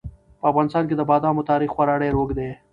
په افغانستان کې د بادامو تاریخ خورا ډېر اوږد دی.